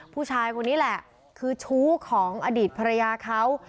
ผู้ชายคนนี้แหละคือชู้ของอดีตภรรยาเขา